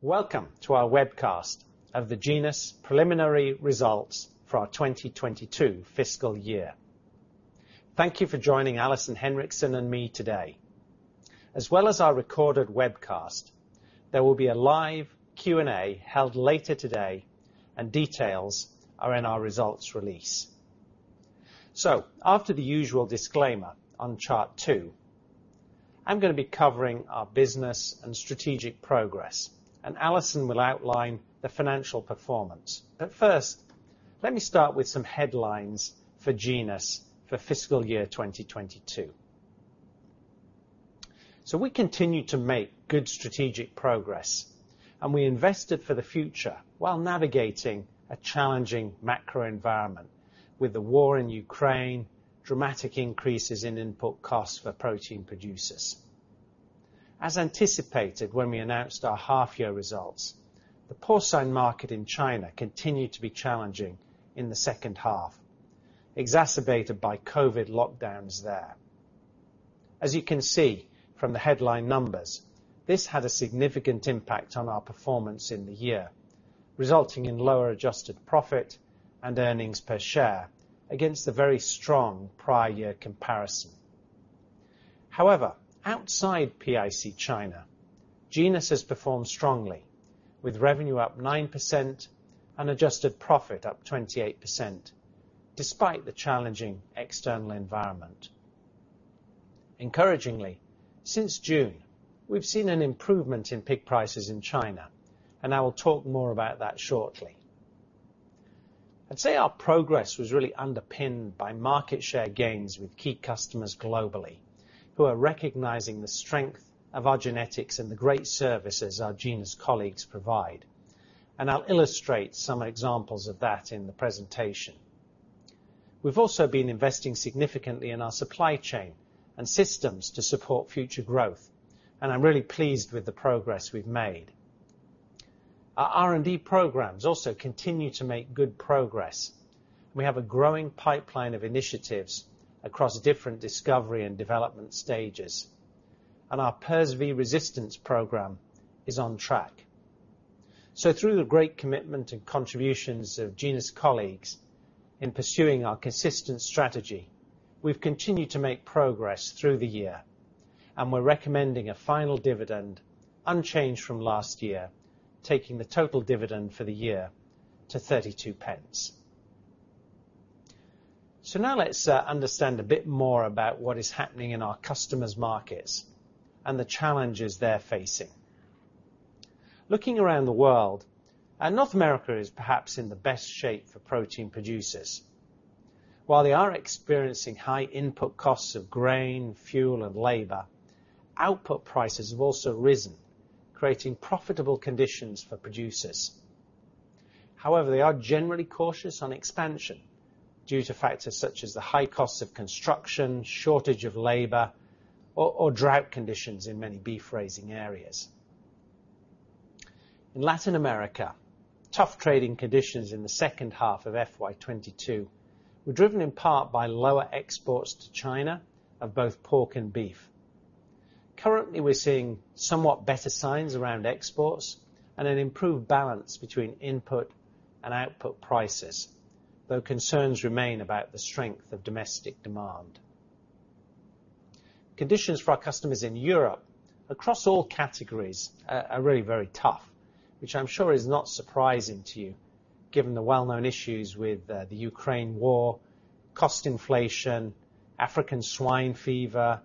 Welcome to our Webcast of the Genus Preliminary Results for our 2022 Fiscal Year. Thank you for joining Alison Henriksen and me today. As well as our recorded webcast, there will be a live Q&A held later today, and details are in our results release. After the usual disclaimer on chart two, I'm gonna be covering our business and strategic progress, and Alison will outline the financial performance. First, let me start with some headlines for Genus for fiscal year 2022. We continue to make good strategic progress, and we invested for the future while navigating a challenging macro environment with the war in Ukraine, dramatic increases in input costs for protein producers. As anticipated, when we announced our half-year results, the porcine market in China continued to be challenging in the 2nd half, exacerbated by COVID lockdowns there. As you can see from the headline numbers, this had a significant impact on our performance in the year, resulting in lower adjusted profit and earnings per share against the very strong prior year comparison. However, outside PIC China, Genus has performed strongly with revenue up 9% and adjusted profit up 28% despite the challenging external environment. Encouragingly, since June, we've seen an improvement in pig prices in China, and I will talk more about that shortly. I'd say our progress was really underpinned by market share gains with key customers globally, who are recognizing the strength of our genetics and the great services our Genus colleagues provide. I'll illustrate some examples of that in the presentation. We've also been investing significantly in our supply chain and systems to support future growth, and I'm really pleased with the progress we've made. Our R&D programs also continue to make good progress. We have a growing pipeline of initiatives across different discovery and development stages, and our PRRSV resistance program is on track. Through the great commitment and contributions of Genus colleagues in pursuing our consistent strategy, we've continued to make progress through the year, and we're recommending a final dividend unchanged from last year, taking the total dividend for the year to 32 pence. Now let's understand a bit more about what is happening in our customers' markets and the challenges they're facing. Looking around the world and North America is perhaps in the best shape for protein producers. While they are experiencing high input costs of grain, fuel, and labor, output prices have also risen, creating profitable conditions for producers. However, they are generally cautious on expansion due to factors such as the high cost of construction, shortage of labor, or drought conditions in many beef raising areas. In Latin America, tough trading conditions in the 2nd half of FY22 were driven in part by lower exports to China of both pork and beef. Currently, we're seeing somewhat better signs around exports and an improved balance between input and output prices, though concerns remain about the strength of domestic demand. Conditions for our customers in Europe across all categories are really very tough, which I'm sure is not surprising to you given the well-known issues with the Ukraine war, cost inflation, African swine fever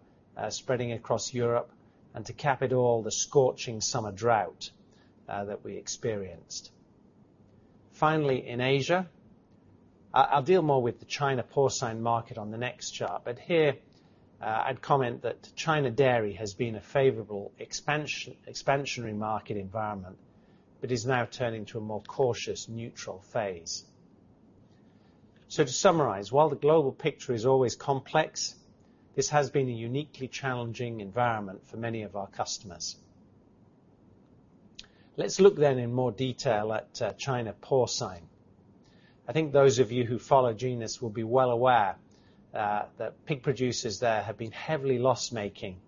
spreading across Europe, and to cap it all, the scorching summer drought that we experienced. Finally, in Asia, I'll deal more with the China porcine market on the next chart, but here, I'd comment that China dairy has been a favorable expansionary market environment but is now turning to a more cautious neutral phase. To summarize, while the global picture is always complex, this has been a uniquely challenging environment for many of our customers. Let's look in more detail at China porcine. I think those of you who follow Genus will be well aware that pig producers there have been heavily loss-making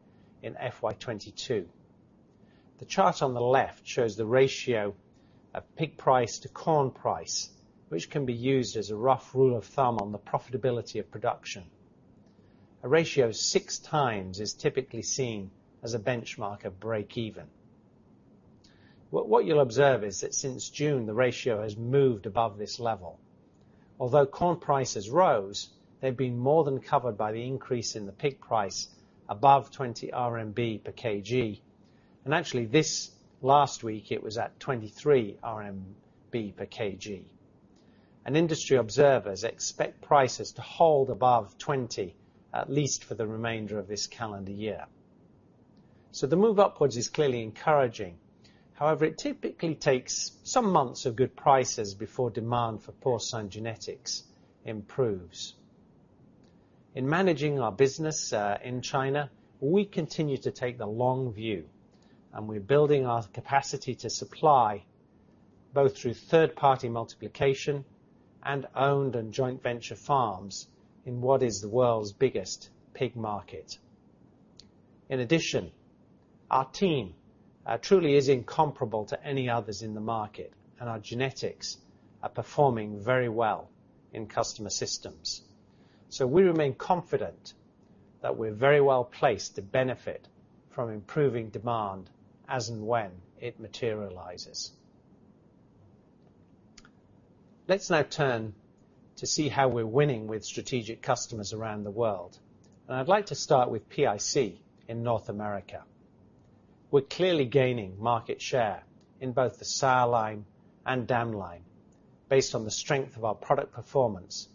in FY22. The chart on the left shows the ratio of pig price to corn price, which can be used as a rough rule of thumb on the profitability of production. A ratio 6x is typically seen as a benchmark of break-even. What you'll observe is that since June, the ratio has moved above this level. Although corn prices rose, they've been more than covered by the increase in the pig price above 20 RMB per kg. Actually, this last week it was at 23 RMB per kg. Industry observers expect prices to hold above 20, at least for the remainder of this calendar year. The move upwards is clearly encouraging. However, it typically takes some months of good prices before demand for porcine genetics improves. In managing our business in China, we continue to take the long view, and we're building our capacity to supply both through 3rd-party multiplication and owned and joint venture farms in what is the world's biggest pig market. In addition, our team truly is incomparable to any others in the market, and our genetics are performing very well in customer systems. We remain confident that we're very well placed to benefit from improving demand as and when it materializes. Let's now turn to see how we're winning with strategic customers around the world, and I'd like to start with PIC in North America. We're clearly gaining market share in both the sow line and dam line based on the strength of our product performance,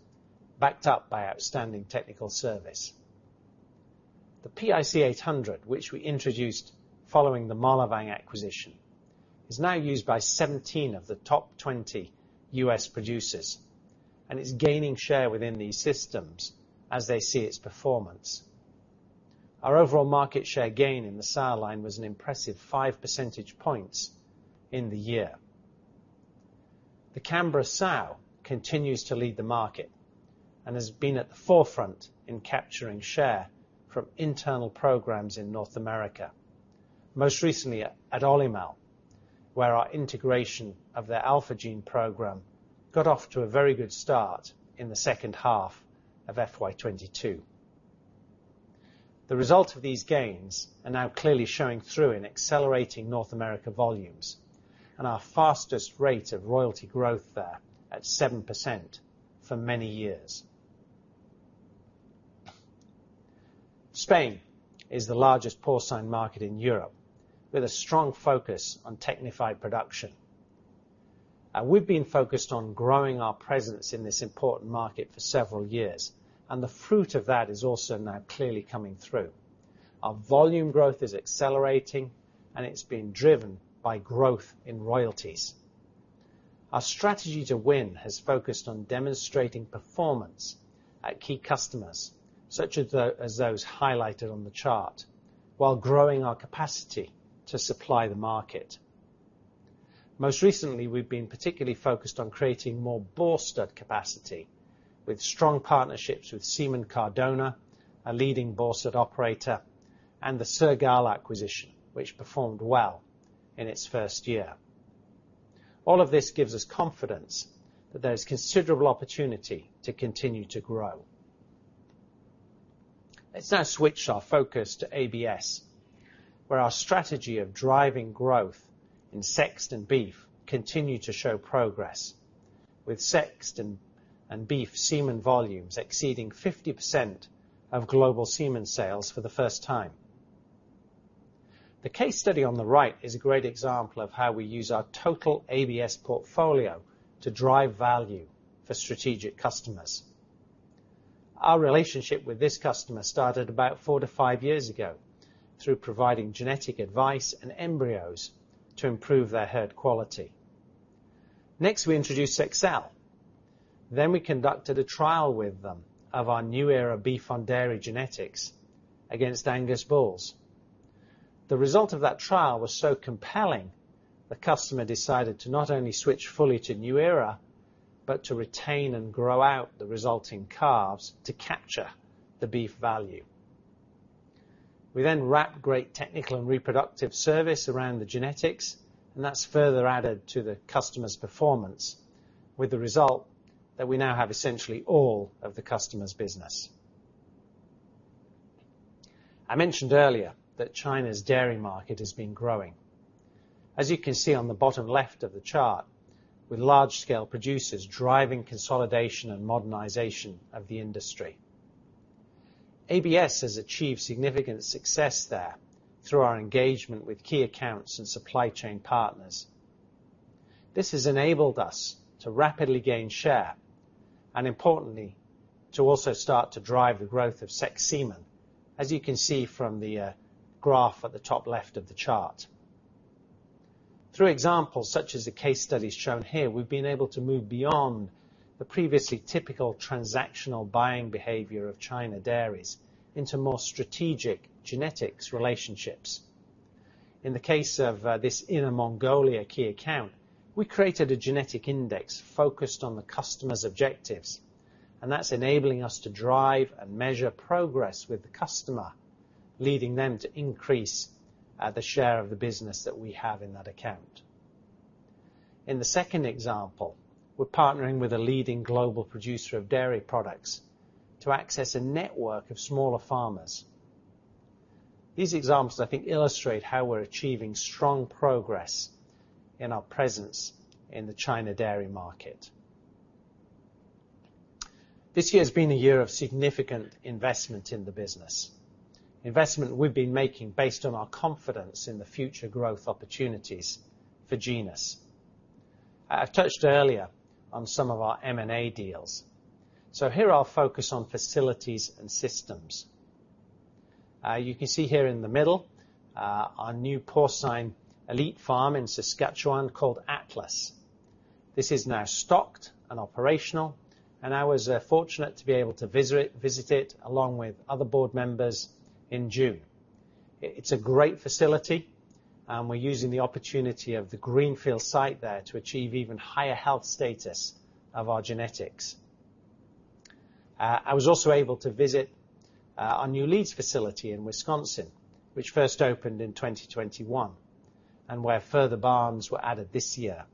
backed up by outstanding technical service. The PIC 800, which we introduced following the Møllevang acquisition, is now used by 17 of the top 20 U.S. producers, and is gaining share within these systems as they see its performance. Our overall market share gain in the sow line was an impressive five percentage points in the year. The Camborough sow continues to lead the market and has been at the forefront in capturing share from internal programs in North America, most recently at Olymel, where our integration of their AlphaGene program got off to a very good start in the 2nd half of FY22. The result of these gains are now clearly showing through in accelerating North America volumes and our fastest rate of royalty growth there at 7% for many years. Spain is the largest porcine market in Europe with a strong focus on technified production. We've been focused on growing our presence in this important market for several years, and the fruit of that is also now clearly coming through. Our volume growth is accelerating, and it's being driven by growth in royalties. Our strategy to win has focused on demonstrating performance at key customers, such as those highlighted on the chart, while growing our capacity to supply the market. Most recently, we've been particularly focused on creating more boar stud capacity with strong partnerships with Semen Cardona, a leading boar stud operator, and the Sergal acquisition, which performed well in its 1st year. All of this gives us confidence that there's considerable opportunity to continue to grow. Let's now switch our focus to ABS, where our strategy of driving growth in sexed and beef continue to show progress with sexed and beef semen volumes exceeding 50% of global semen sales for the 1st time. The case study on the right is a great example of how we use our total ABS portfolio to drive value for strategic customers. Our relationship with this customer started about four to five years ago through providing genetic advice and embryos to improve their herd quality. Next, we introduced Sexcel. Then we conducted a trial with them of our NuEra beef-on-dairy genetics against Angus bulls. The result of that trial was so compelling, the customer decided to not only switch fully to NuEra, but to retain and grow out the resulting calves to capture the beef value. We then wrap great technical and reproductive service around the genetics, and that's further added to the customer's performance, with the result that we now have essentially all of the customer's business. I mentioned earlier that China's dairy market has been growing. As you can see on the bottom left of the chart, with large-scale producers driving consolidation and modernization of the industry. ABS has achieved significant success there through our engagement with key accounts and supply chain partners. This has enabled us to rapidly gain share and importantly, to also start to drive the growth of sexed semen, as you can see from the graph at the top left of the chart. Through examples such as the case studies shown here, we've been able to move beyond the previously typical transactional buying behavior of Chinese dairies into more strategic genetics relationships. In the case of this Inner Mongolia key account, we created a genetic index focused on the customer's objectives, and that's enabling us to drive and measure progress with the customer, leading them to increase the share of the business that we have in that account. In the 2nd example, we're partnering with a leading global producer of dairy products to access a network of smaller farmers. These examples, I think, illustrate how we're achieving strong progress in our presence in the China dairy market. This year has been a year of significant investment in the business, investment we've been making based on our confidence in the future growth opportunities for Genus. I've touched earlier on some of our M&A deals, so here I'll focus on facilities and systems. You can see here in the middle, our new porcine elite farm in Saskatchewan called Atlas. This is now stocked and operational, and I was fortunate to be able to visit it along with other board members in June. It's a great facility, and we're using the opportunity of the greenfield site there to achieve even higher health status of our genetics. I was also able to visit our new Leeds facility in Wisconsin, which 1st opened in 2021, and where further barns were added this year.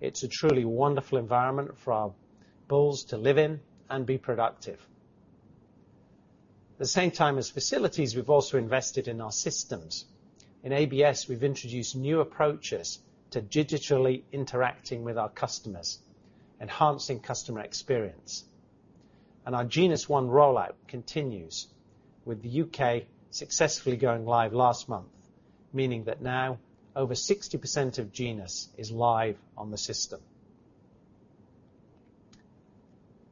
It's a truly wonderful environment for our bulls to live in and be productive. At the same time as facilities, we've also invested in our systems. In ABS, we've introduced new approaches to digitally interacting with our customers, enhancing customer experience. Our Genus One rollout continues, with the U.K. successfully going live last month, meaning that now over 60% of Genus is live on the system.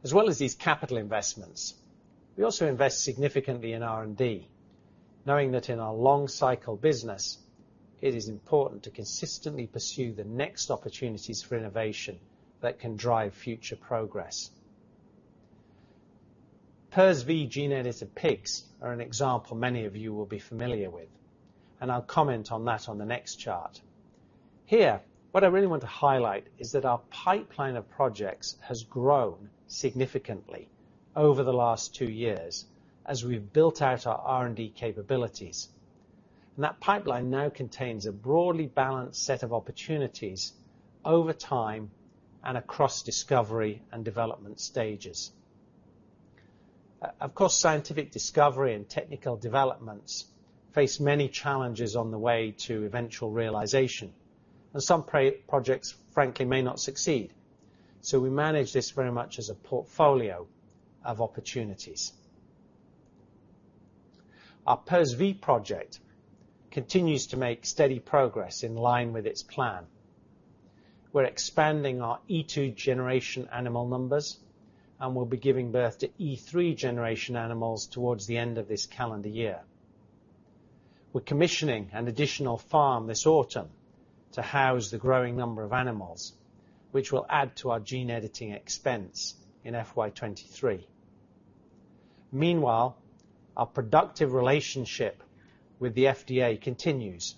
As well as these capital investments, we also invest significantly in R&D, knowing that in our long cycle business, it is important to consistently pursue the next opportunities for innovation that can drive future progress. PRRSV gene-edited pigs are an example many of you will be familiar with, and I'll comment on that on the next chart. Here, what I really want to highlight is that our pipeline of projects has grown significantly over the last two years as we've built out our R&D capabilities. That pipeline now contains a broadly balanced set of opportunities over time and across discovery and development stages. Of course, scientific discovery and technical developments face many challenges on the way to eventual realization, and some projects, frankly, may not succeed, so we manage this very much as a portfolio of opportunities. Our PRRSV project continues to make steady progress in line with its plan. We're expanding our E2 generation animal numbers, and we'll be giving birth to E3 generation animals towards the end of this calendar year. We're commissioning an additional farm this autumn to house the growing number of animals, which will add to our gene editing expense in FY23. Meanwhile, our productive relationship with the FDA continues,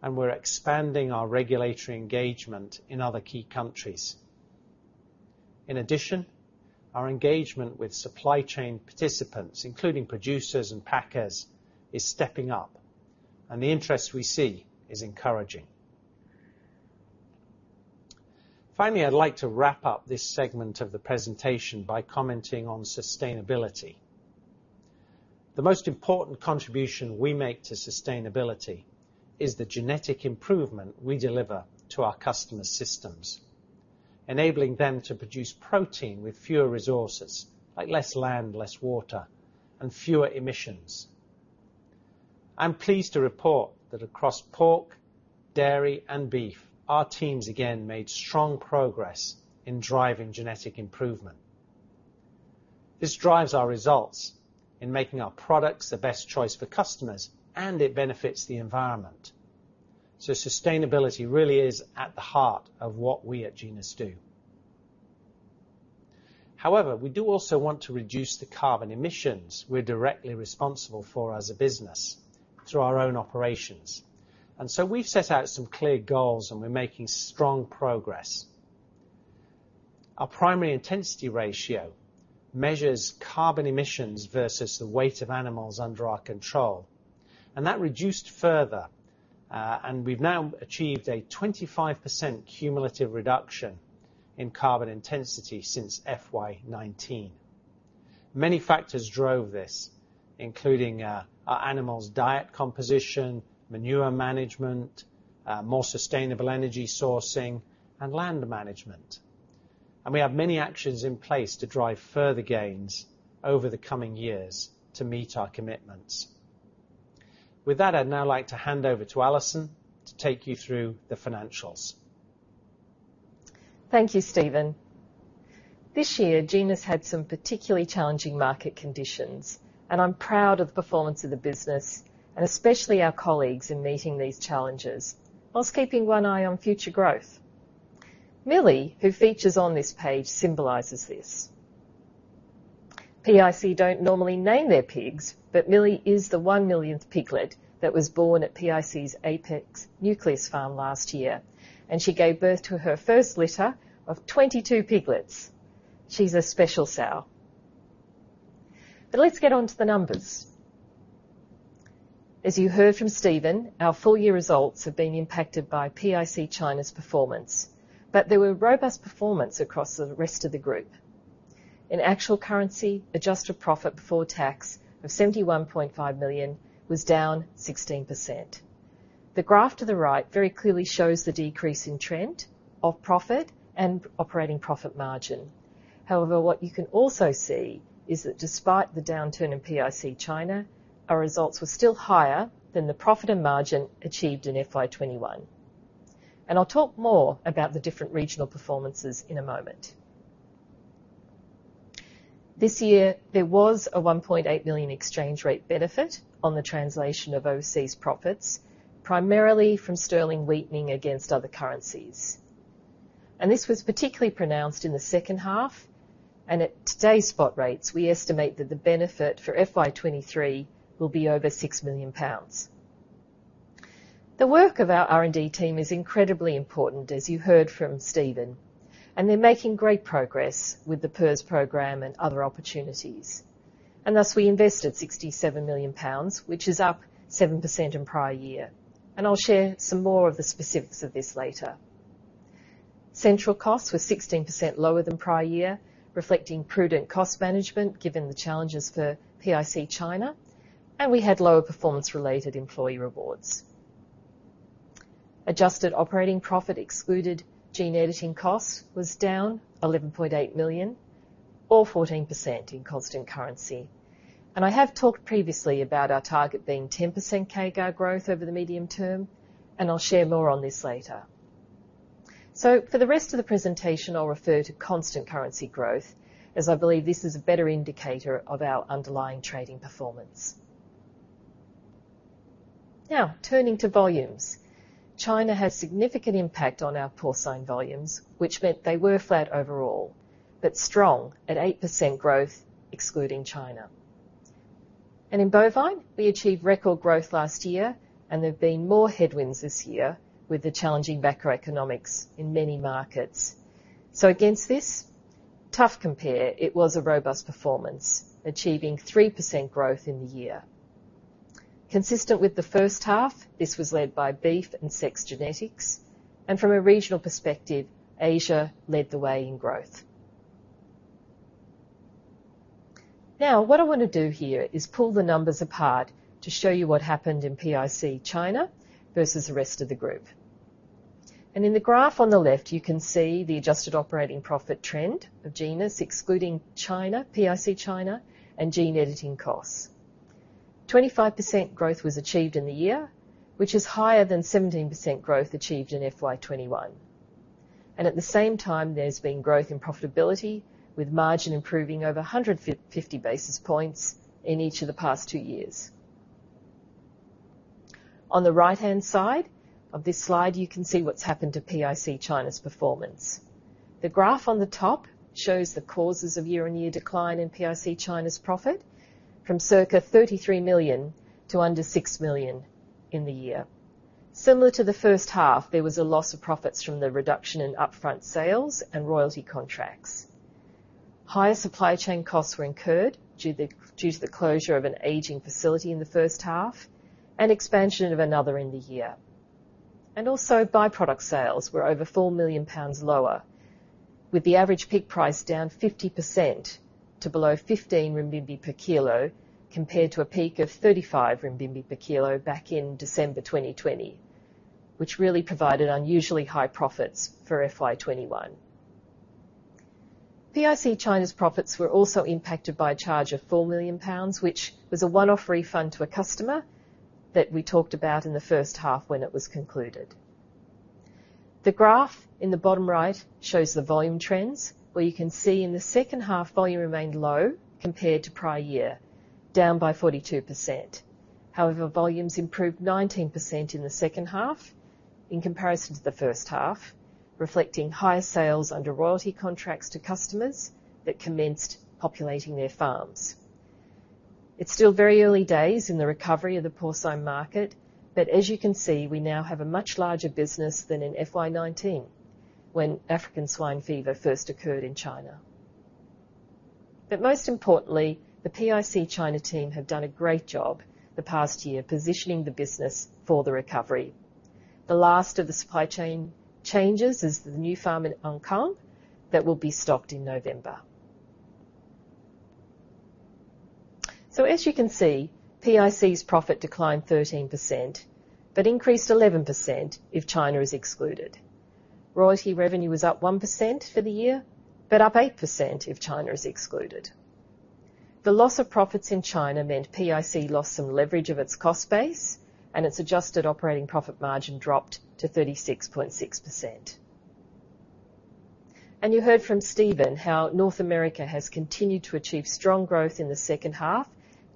and we're expanding our regulatory engagement in other key countries. In addition, our engagement with supply chain participants, including producers and packers, is stepping up, and the interest we see is encouraging. Finally, I'd like to wrap up this segment of the presentation by commenting on sustainability. The most important contribution we make to sustainability is the genetic improvement we deliver to our customers' systems, enabling them to produce protein with fewer resources, like less land, less water, and fewer emissions. I'm pleased to report that across pork, dairy, and beef, our teams again made strong progress in driving genetic improvement. This drives our results in making our products the best choice for customers, and it benefits the environment. Sustainability really is at the heart of what we at Genus do. However, we do also want to reduce the carbon emissions we're directly responsible for as a business through our own operations. We've set out some clear goals, and we're making strong progress. Our primary intensity ratio measures carbon emissions versus the weight of animals under our control, and that reduced further, and we've now achieved a 25% cumulative reduction in carbon intensity since FY19. Many factors drove this, including, our animals' diet composition, manure management, more sustainable energy sourcing, and land management. We have many actions in place to drive further gains over the coming years to meet our commitments. With that, I'd now like to hand over to Alison to take you through the financials. Thank you, Stephen. This year, Genus had some particularly challenging market conditions, and I'm proud of the performance of the business, and especially our colleagues in meeting these challenges while keeping one eye on future growth. Millie, who features on this page, symbolizes this. PIC don't normally name their pigs, but Millie is the 1 millionth piglet that was born at PIC's Apex nucleus farm last year, and she gave birth to her 1st litter of 22 piglets. She's a special sow. Let's get on to the numbers. As you heard from Stephen, our full year results have been impacted by PIC China's performance, but there were robust performance across the rest of the group. In actual currency, adjusted profit before tax of 71.5 million was down 16%. The graph to the right very clearly shows the decrease in trend of profit and operating profit margin. However, what you can also see is that despite the downturn in PIC China, our results were still higher than the profit and margin achieved in FY21. I'll talk more about the different regional performances in a moment. This year, there was a 1.8 million exchange rate benefit on the translation of overseas profits, primarily from sterling weakening against other currencies. This was particularly pronounced in the 2nd half, and at today's spot rates, we estimate that the benefit for FY23 will be over 6 million pounds. The work of our R&D team is incredibly important, as you heard from Stephen, and they're making great progress with the PRRS program and other opportunities. Thus we invested 67 million pounds, which is up 7% in prior year. I'll share some more of the specifics of this later. Central costs were 16% lower than prior year, reflecting prudent cost management, given the challenges for PIC China. We had lower performance-related employee rewards. Adjusted operating profit excluded gene editing costs was down 11.8 million or 14% in constant currency. I have talked previously about our target being 10% CAGR growth over the medium term, and I'll share more on this later. For the rest of the presentation, I'll refer to constant currency growth, as I believe this is a better indicator of our underlying trading performance. Turning to volumes. China had significant impact on our porcine volumes, which meant they were flat overall, but strong at 8% growth excluding China. In bovine, we achieved record growth last year, and there have been more headwinds this year with the challenging macroeconomics in many markets. Against this tough compare, it was a robust performance, achieving 3% growth in the year. Consistent with the 1st half, this was led by beef and sexed genetics, and from a regional perspective, Asia led the way in growth. Now, what I wanna do here is pull the numbers apart to show you what happened in PIC China versus the rest of the group. In the graph on the left, you can see the adjusted operating profit trend of Genus excluding China, PIC China, and gene editing costs. 25% growth was achieved in the year, which is higher than 17% growth achieved in FY21. At the same time, there's been growth in profitability, with margin improving over 150 basis points in each of the past two years. On the right-hand side of this slide, you can see what's happened to PIC China's performance. The graph on the top shows the causes of year-on-year decline in PIC China's profit from circa 33 million to under 6 million in the year. Similar to the 1st half, there was a loss of profits from the reduction in upfront sales and royalty contracts. Higher supply chain costs were incurred due to the closure of an aging facility in the 1st half and expansion of another in the year. Also byproduct sales were over 4 million pounds lower, with the average peak price down 50% to below 15 per kilo, compared to a peak of 35 per kilo back in December 2020, which really provided unusually high profits for FY21. PIC China's profits were also impacted by a charge of 4 million pounds, which was a one-off refund to a customer that we talked about in the 1st half when it was concluded. The graph in the bottom right shows the volume trends, where you can see in the 2nd half, volume remained low compared to prior year, down by 42%. However, volumes improved 19% in the 2nd half in comparison to the 1st half, reflecting higher sales under royalty contracts to customers that commenced populating their farms. It's still very early days in the recovery of the porcine market, but as you can see, we now have a much larger business than in FY19, when African swine fever 1st occurred in China. Most importantly, the PIC China team have done a great job the past year positioning the business for the recovery. The last of the supply chain changes is the new farm in Huanggang that will be stocked in November. As you can see, PIC's profit declined 13%, but increased 11% if China is excluded. Royalty revenue is up 1% for the year, but up 8% if China is excluded. The loss of profits in China meant PIC lost some leverage of its cost base, and its adjusted operating profit margin dropped to 36.6%. You heard from Stephen how North America has continued to achieve strong growth in the 2nd half,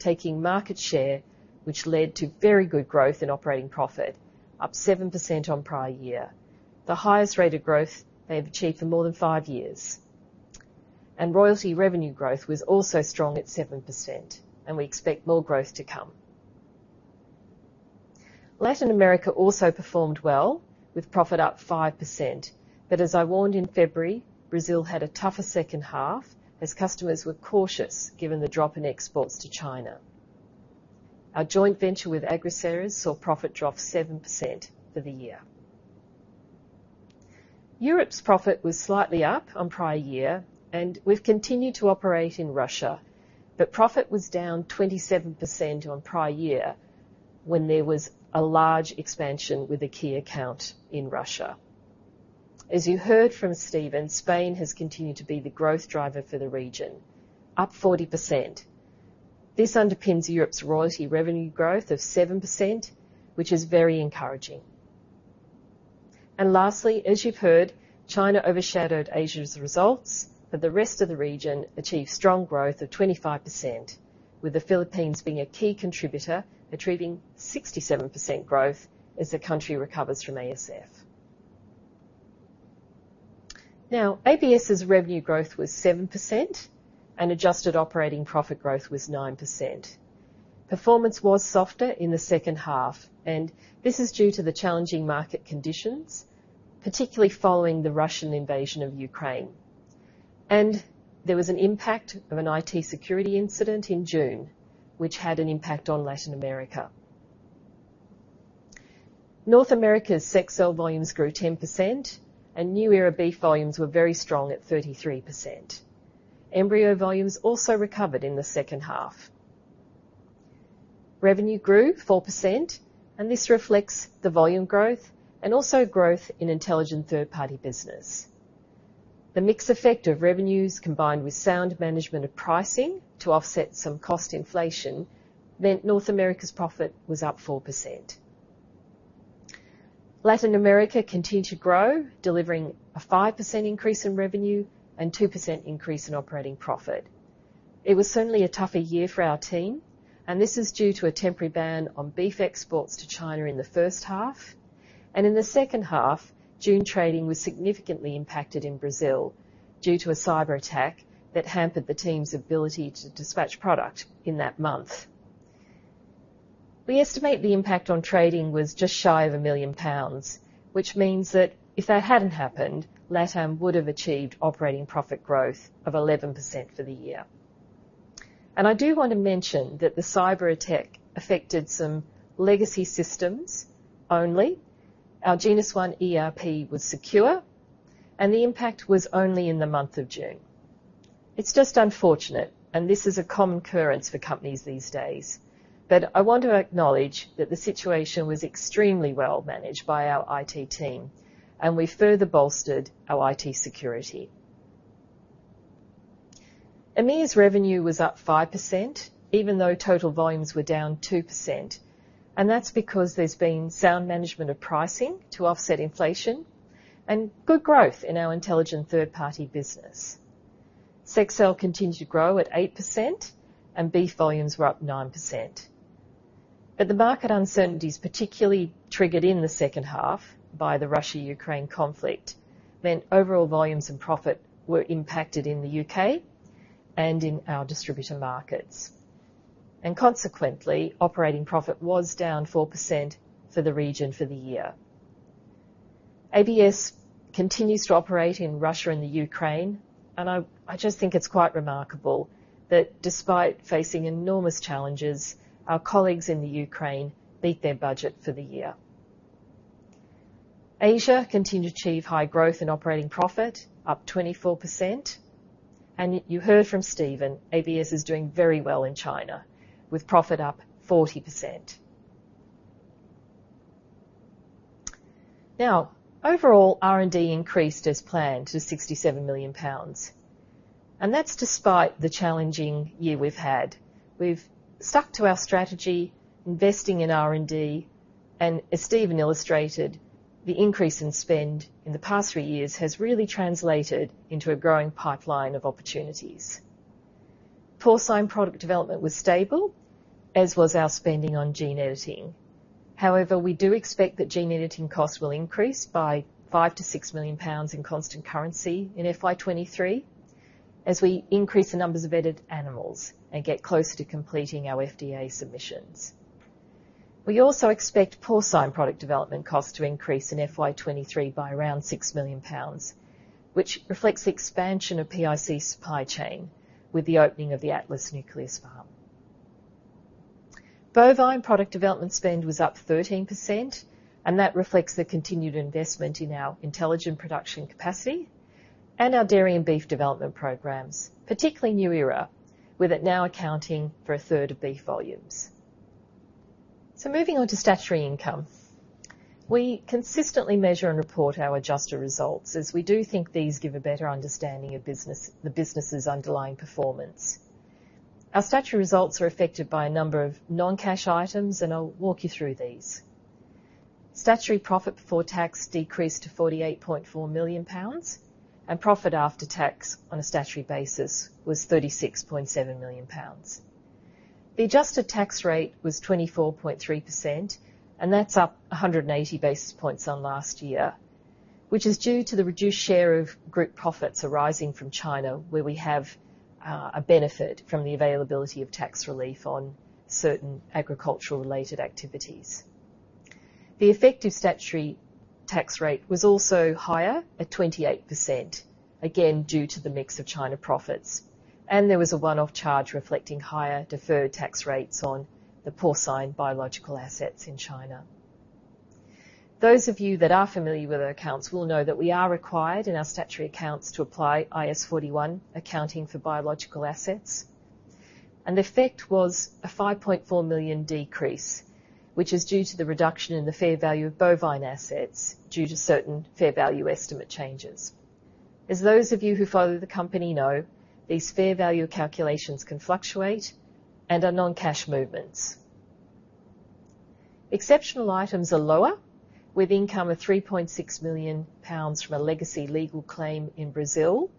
taking market share, which led to very good growth in operating profit, up 7% on prior year, the highest rate of growth they have achieved for more than five years. Royalty revenue growth was also strong at 7%, and we expect more growth to come. Latin America also performed well, with profit up 5%. As I warned in February, Brazil had a tougher 2nd half as customers were cautious given the drop in exports to China. Our joint venture with Agroceres saw profit drop 7% for the year. Europe's profit was slightly up on prior year, and we've continued to operate in Russia, but profit was down 27% on prior year when there was a large expansion with a key account in Russia. As you heard from Stephen, Spain has continued to be the growth driver for the region, up 40%. This underpins Europe's royalty revenue growth of 7%, which is very encouraging. Lastly, as you've heard, China overshadowed Asia's results. The rest of the region achieved strong growth of 25%, with the Philippines being a key contributor, achieving 67% growth as the country recovers from ASF. Now, ABS's revenue growth was 7% and adjusted operating profit growth was 9%. Performance was softer in the 2nd half, and this is due to the challenging market conditions, particularly following the Russian invasion of Ukraine. There was an impact of an IT security incident in June, which had an impact on Latin America. North America's Sexcel volumes grew 10%, and NuEra beef volumes were very strong at 33%. Embryo volumes also recovered in the 2nd half. Revenue grew 4%, and this reflects the volume growth and also growth in IntelliGen 3rd-party business. The mix effect of revenues, combined with sound management of pricing to offset some cost inflation, meant North America's profit was up 4%. Latin America continued to grow, delivering a 5% increase in revenue and 2% increase in operating profit. It was certainly a tougher year for our team, and this is due to a temporary ban on beef exports to China in the 1st half. In the 2nd half, June trading was significantly impacted in Brazil due to a cyberattack that hampered the team's ability to dispatch product in that month. We estimate the impact on trading was just shy of 1 million pounds, which means that if that hadn't happened, LatAm would have achieved operating profit growth of 11% for the year. I do want to mention that the cyberattack affected some legacy systems only. Our GenusOne ERP was secure, and the impact was only in the month of June. It's just unfortunate, and this is a common occurrence for companies these days. I want to acknowledge that the situation was extremely well managed by our IT team, and we further bolstered our IT security. EMEA's revenue was up 5%, even though total volumes were down 2%, and that's because there's been sound management of pricing to offset inflation and good growth in our IntelliGen 3rd-party business. Sexcel continued to grow at 8% and beef volumes were up 9%. The market uncertainties, particularly triggered in the 2nd half by the Russia-Ukraine conflict, meant overall volumes and profit were impacted in the U.K. and in our distributor markets. Consequently, operating profit was down 4% for the region for the year. ABS continues to operate in Russia and the Ukraine, and I just think it's quite remarkable that despite facing enormous challenges, our colleagues in the Ukraine beat their budget for the year. Asia continued to achieve high growth in operating profit, up 24%. You heard from Stephen, ABS is doing very well in China with profit up 40%. Now, overall, R&D increased as planned to 67 million pounds, and that's despite the challenging year we've had. We've stuck to our strategy, investing in R&D, and as Stephen illustrated, the increase in spend in the past three years has really translated into a growing pipeline of opportunities. Porcine product development was stable, as was our spending on gene editing. However, we do expect that gene editing costs will increase by 5 million-6 million pounds in constant currency in FY23 as we increase the numbers of edited animals and get closer to completing our FDA submissions. We also expect porcine product development costs to increase in FY23 by around 6 million pounds, which reflects the expansion of PIC supply chain with the opening of the Atlas nucleus farm. Bovine product development spend was up 13%, and that reflects the continued investment in our IntelliGen production capacity and our dairy and beef development programs, particularly NuEra, with it now accounting for a 3rd of beef volumes. Moving on to statutory income. We consistently measure and report our adjusted results as we do think these give a better understanding of the business's underlying performance. Our statutory results are affected by a number of non-cash items, and I'll walk you through these. Statutory profit before tax decreased to GBP 48.4 million, and profit after tax on a statutory basis was GBP 36.7 million. The adjusted tax rate was 24.3%, and that's up 180 basis points on last year, which is due to the reduced share of group profits arising from China, where we have a benefit from the availability of tax relief on certain agricultural-related activities. The effective statutory tax rate was also higher at 28%, again, due to the mix of China profits. There was a one-off charge reflecting higher deferred tax rates on the porcine biological assets in China. Those of you that are familiar with our accounts will know that we are required in our statutory accounts to apply IAS 41 accounting for biological assets. The effect was a 5.4 million decrease, which is due to the reduction in the fair value of bovine assets due to certain fair value estimate changes. As those of you who follow the company know, these fair value calculations can fluctuate and are non-cash movements. Exceptional items are lower, with income of 3.6 million pounds from a legacy legal claim in Brazil,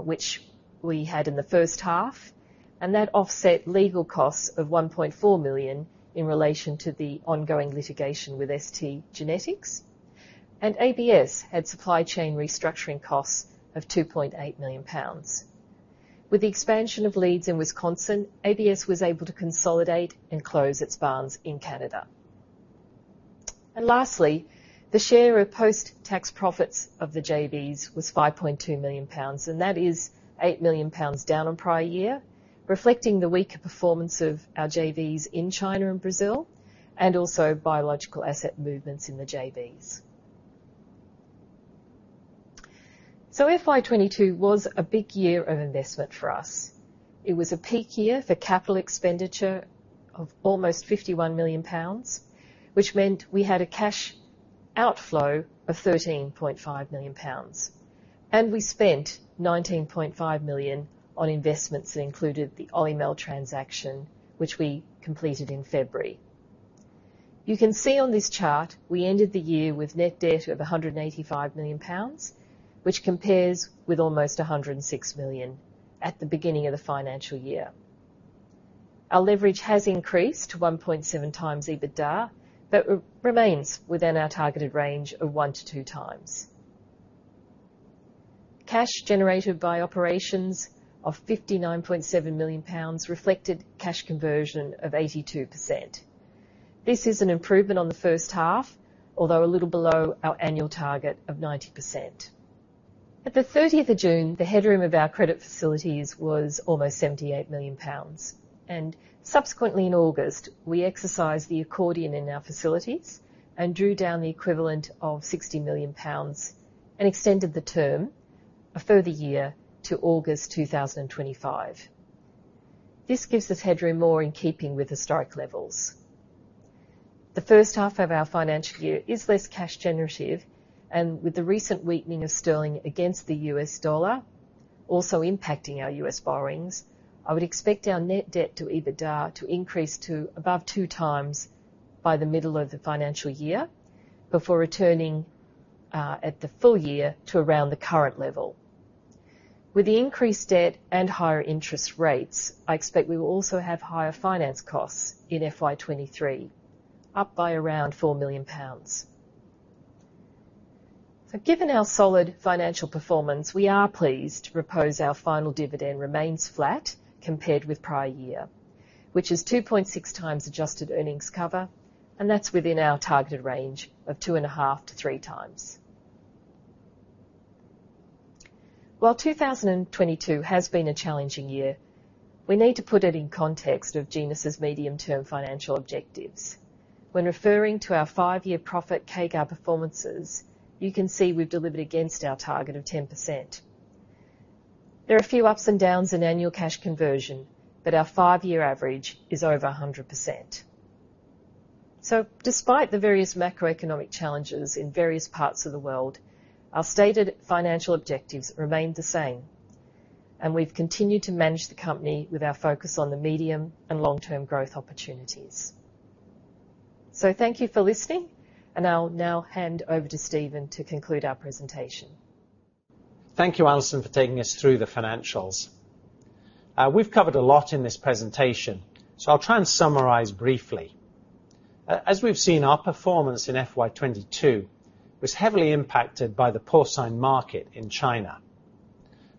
which we had in the 1st half, and that offset legal costs of 1.4 million in relation to the ongoing litigation with STgenetics. ABS had supply chain restructuring costs of 2.8 million pounds. With the expansion of Leeds in Wisconsin, ABS was able to consolidate and close its barns in Canada. Lastly, the share of post-tax profits of the JVs was 5.2 million pounds, and that is 8 million pounds down on prior year, reflecting the weaker performance of our JVs in China and Brazil, and also biological asset movements in the JVs. FY22 was a big year of investment for us. It was a peak year for capital expenditure of almost 51 million pounds, which meant we had a cash outflow of 13.5 million pounds, and we spent 19.5 million on investments that included the Olymel transaction, which we completed in February. You can see on this chart, we ended the year with net debt of 185 million pounds, which compares with almost 106 million at the beginning of the financial year. Our leverage has increased to 1.7x EBITDA, but remains within our targeted range of 1x-2x. Cash generated by operations of 59.7 million pounds reflected cash conversion of 82%. This is an improvement on the 1st half, although a little below our annual target of 90%. At the 30th of June, the headroom of our credit facilities was almost 78 million pounds. Subsequently in August, we exercised the accordion in our facilities and drew down the equivalent of 60 million pounds and extended the term a further year to August 2025. This gives us headroom more in keeping with historic levels. The 1st half of our financial year is less cash generative, and with the recent weakening of sterling against the U.S. dollar also impacting our U.S. borrowings, I would expect our net debt to EBITDA to increase to above 2x by the middle of the financial year before returning at the full year to around the current level. With the increased debt and higher interest rates, I expect we will also have higher finance costs in FY23, up by around 4 million pounds. Given our solid financial performance, we are pleased to propose our final dividend remains flat compared with prior year, which is 2.6x adjusted earnings cover, and that's within our targeted range of 2.5x-3x. While 2022 has been a challenging year, we need to put it in context of Genus's medium term financial objectives. When referring to our five profit CAGR performances, you can see we've delivered against our target of 10%. There are a few ups and downs in annual cash conversion, but our five year average is over 100%. Despite the various macroeconomic challenges in various parts of the world, our stated financial objectives remain the same, and we've continued to manage the company with our focus on the medium and long-term growth opportunities. Thank you for listening, and I'll now hand over to Stephen to conclude our presentation. Thank you, Alison, for taking us through the financials. We've covered a lot in this presentation, so I'll try and summarize briefly. As we've seen, our performance in FY22 was heavily impacted by the porcine market in China,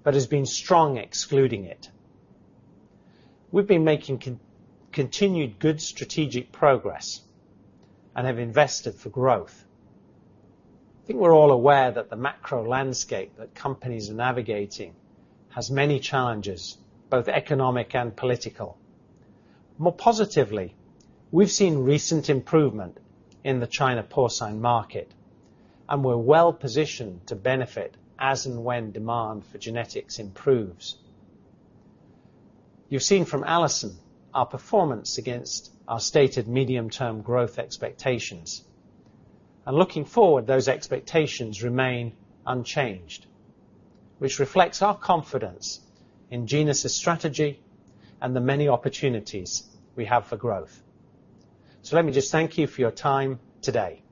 but has been strong excluding it. We've been making continued good strategic progress and have invested for growth. I think we're all aware that the macro landscape that companies are navigating has many challenges, both economic and political. More positively, we've seen recent improvement in the China porcine market, and we're well positioned to benefit as and when demand for genetics improves. You've seen from Alison our performance against our stated medium-term growth expectations. Looking forward, those expectations remain unchanged, which reflects our confidence in Genus' strategy and the many opportunities we have for growth. Let me just thank you for your time today.